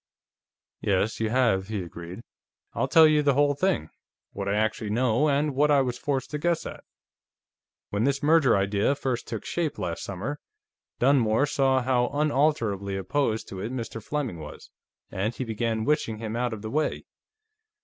"Yes, you have," he agreed. "I'll tell you the whole thing, what I actually know, and what I was forced to guess at: "When this merger idea first took shape, last summer, Dunmore saw how unalterably opposed to it Mr. Fleming was, and he began wishing him out of the way.